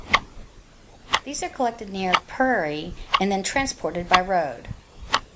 These are collected near Puri and then transported by road.